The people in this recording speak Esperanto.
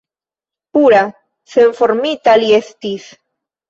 Pura, senformita li estis!